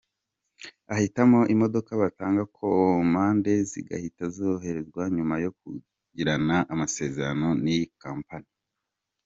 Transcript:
Abahitamo imodoka batanga komande zigahita zoherezwa nyuma yo kugirana amasezerano n’iyi Kompanyi.